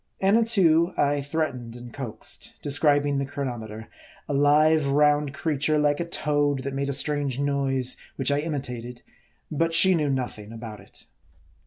Annatoo, I threatened and coaxed ; describing the chro nometer a live, round creature like a toad, that made a strange noise, which I imitated ; but she knew nothing about it.